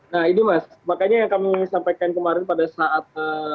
nah ini mas makanya yang kami sampaikan kemarin pada saat